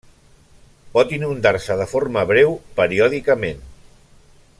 Pot inundar-se de forma breu periòdicament.